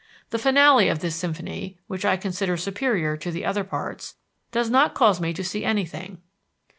The finale of this symphony, which I consider superior to other parts, does not cause me to see anything.